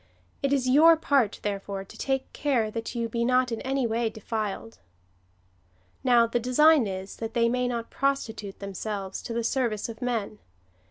It is your part, therefore, to take care that you be not in any way defiled." Now, the design ^ is, that they may not prostitute themselves to the service of men.